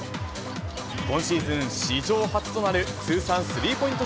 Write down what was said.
今シーズン、史上初となる通算スリーポイント